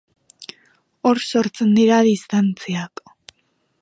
Hor sortzen dira distantziak.